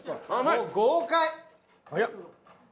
もう豪快。